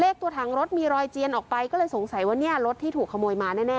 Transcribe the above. ตัวถังรถมีรอยเจียนออกไปก็เลยสงสัยว่าเนี่ยรถที่ถูกขโมยมาแน่